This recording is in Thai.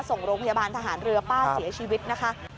ส่งโรงพยาบาลทหารเรือป้าเสียชีวิตนะคะ